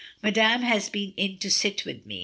"Madame has been in to sit with me.